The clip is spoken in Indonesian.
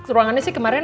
ruangannya sih kemarin